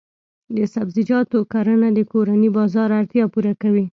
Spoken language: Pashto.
د سبزیجاتو کرنه د کورني بازار اړتیا پوره کوي.